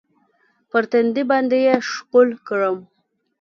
پر تندي باندې يې ښکل کړم.